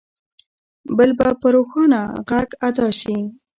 بل به په روښانه غږ ادا شي.